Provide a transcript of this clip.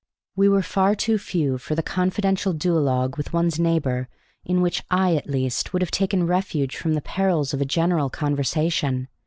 We were far too few for the confidential duologue with one's neighbor in which I, at least, would have taken refuge from the perils of a general conversation.